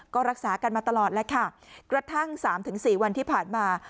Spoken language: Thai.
ก็รักษากันมาตลอดแล้วค่ะกระทั่ง๓๔วันที่ผ่านมา